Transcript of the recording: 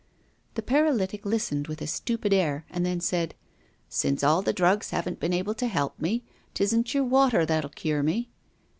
The paralytic listened with a stupid air, and then said: "Since all the drugs haven't been able to help me, 'tisn't your water that'll cure me."